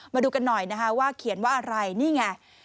มาดูกันหน่อยนะคะว่าเขียนว่าอะไรนี่ไง